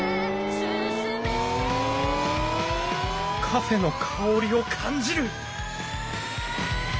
カフェの香りを感じる！